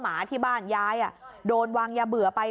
หมาที่บ้านยายโดนวางยาเบื่อไป